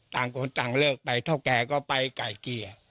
ต่างคนต่างเลิกไปเท่าแก่ก็ไปไก่เกลี่ย